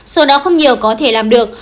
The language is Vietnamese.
số đó không nhiều có thể làm được